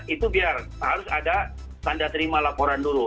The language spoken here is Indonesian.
itu biar harus ada tanda terima laporan dulu